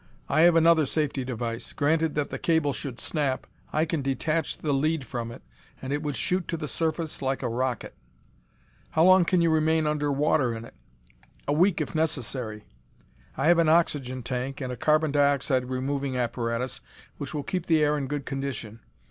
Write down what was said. I have another safety device. Granted that the cable should snap, I can detach the lead from it and it would shoot to the surface like a rocket." "How long can you remain under water in it?" "A week, if necessary. I have an oxygen tank and a carbon dioxide removing apparatus which will keep the air in good condition.